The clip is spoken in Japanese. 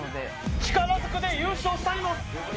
力ずくで優勝したります。